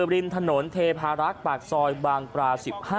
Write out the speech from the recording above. ริมถนนเทพารักษ์ปากซอยบางปลา๑๕